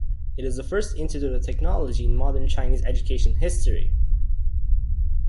It is the first institute of technology in modern Chinese education history.